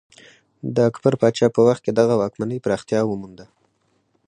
د اکبر پاچا په وخت کې دغه واکمنۍ پراختیا ومونده.